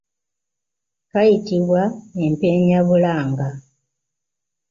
Kayitibwa empenyabulanga.